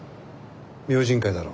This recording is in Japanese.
「明神会」だろ。